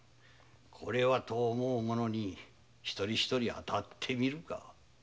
これはと思う者に一人一人当たってみるか。